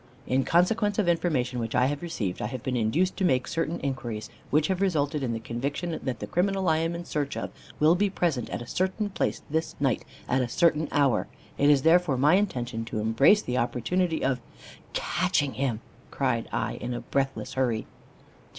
"In consequence of information which I have received, I have been induced to make certain inquiries, which have resulted in the conviction that the criminal I am in search of will be present at a certain place this night, at a certain hour. It is therefore my intention to embrace the opportunity of " "Catching him!" cried I in a breathless hurry.